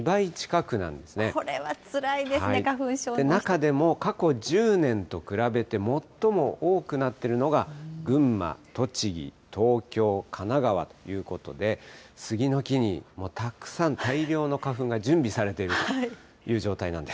これはつらいですね、花粉症中でも過去１０年と比べて最も多くなってるのが、群馬、栃木、東京、神奈川ということで、スギの木にたくさん、大量の花粉が準備されているという状態なんです。